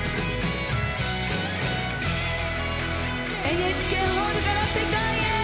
ＮＨＫ ホールから世界へ。